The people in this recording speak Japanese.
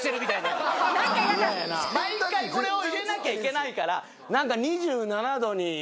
毎回これを入れなきゃいけないから。